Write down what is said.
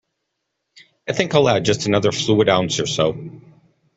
I think I'll add just another fluid ounce or so.